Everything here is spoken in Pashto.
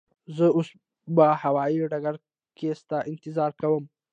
زه اوس به هوایی ډګر کی ستا انتظار کوم.